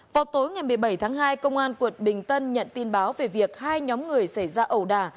vào tối ngày một mươi bảy tháng hai công an quận bình tân nhận tin báo về việc hai nhóm người xảy ra ẩu đà